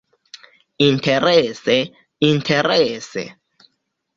Interese, interese.